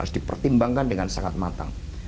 harus dipertimbangkan dengan sangat matang